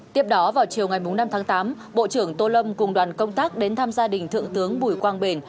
tiếp đó vào chiều ngày năm tháng tám bộ trưởng tô lâm cùng đoàn công tác đến thăm gia đình thượng tướng bùi quang bền